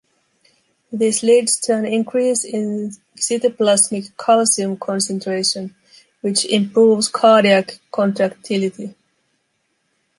This leads to an increase in cytoplasmic calcium concentration, which improves cardiac contractility.